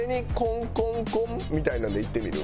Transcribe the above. みたいなんでいってみる？